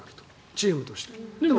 チームとして。